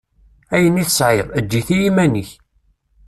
Ayen i tesɛiḍ, eǧǧ-it i yiman-ik.